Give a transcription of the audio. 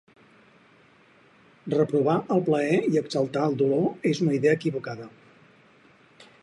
Reprovar el plaer i exaltar el dolor és una idea equivocada.